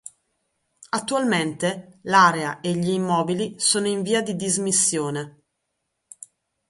Attualmente l'area e gli immobili sono in via di dismissione.